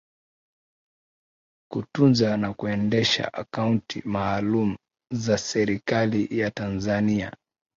kutunza na kuendesha akaunti maalum za serikali ya tanzania